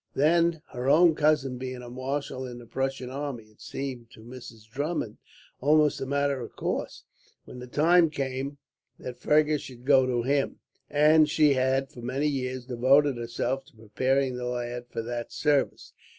Then, her own cousin being a marshal in the Prussian army, it seemed to Mrs. Drummond almost a matter of course, when the time came, that Fergus should go to him; and she had, for many years, devoted herself to preparing the lad for that service.